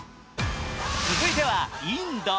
続いてはインド。